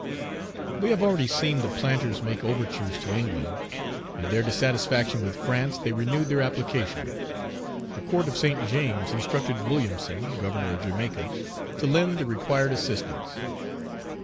We have already seen the planters make overtures to England. In their dissatisfaction with France, they renewed their application. The Court of St. James instructed Williamson, governor of Jamaica, to lend the required assistance.